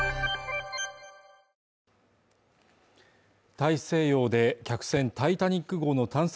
大西洋で客船「タイタニック」号の探索